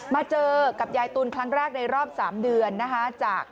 มาเจอกับยายตุลครั้งแรกในรอบ๓เดือนนะคะ